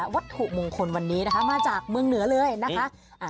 วัตถุมงคลวันนี้นะคะมาจากเมืองเหนือเลยนะคะ